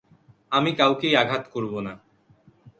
আমি কাউকেই আঘাত করব না।